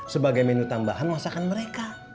sebagai menu tambahan masakan mereka